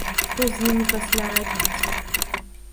Што з імі пасля рабіць?